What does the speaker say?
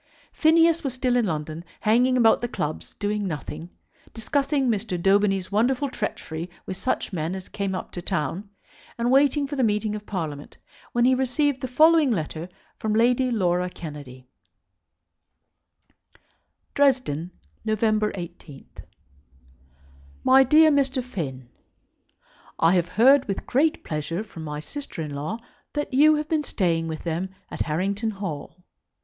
Phineas was still in London, hanging about the clubs, doing nothing, discussing Mr. Daubeny's wonderful treachery with such men as came up to town, and waiting for the meeting of Parliament, when he received the following letter from Lady Laura Kennedy: Dresden, November 18, . MY DEAR MR. FINN, I have heard with great pleasure from my sister in law that you have been staying with them at Harrington Hall.